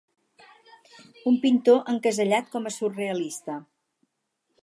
Un pintor encasellat com a surrealista.